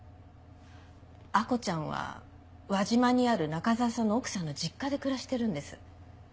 亜子ちゃんは輪島にある中沢さんの奥さんの実家で暮らしてるんです。